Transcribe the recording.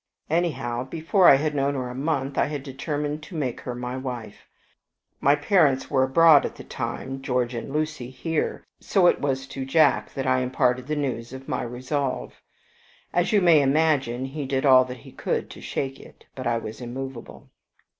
Anyhow, before I had known her a month, I had determined to make her my wife. My parents were abroad at the time, George and Lucy here, so that it was to Jack that I imparted the news of my resolve. As you may imagine, he did all that he could to shake it. But I was immovable.